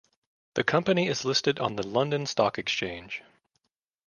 The company is listed on the London Stock Exchange.